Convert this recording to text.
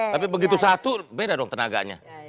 tapi begitu satu beda dong tenaganya